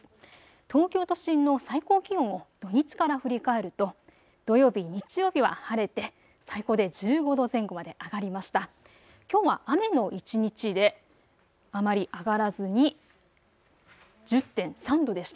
東京都心の最高気温を土日から振り返ると、土曜日、日曜日は晴れて最高で１５度前後まで上がりました。